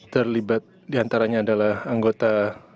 terlibat diantaranya adalah anggota